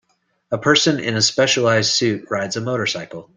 A person in a specialized suit rides a motorcycle.